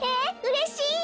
うれしい！